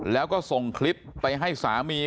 แล้วก็ส่งคลิปไปให้สามี